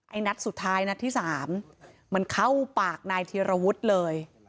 นัดสุดท้ายนัดที่๓มันเข้าปากนายธีรวุฒิเลย